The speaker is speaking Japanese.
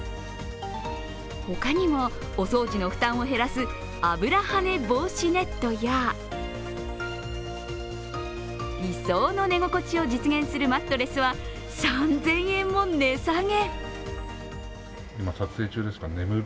ほかにも、お掃除の負担を減らす油はね防止ネットや理想の寝心地を実現するマットレスは３０００円も値下げ。